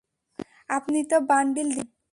আপনি তো বান্ডিল দিচ্ছেন।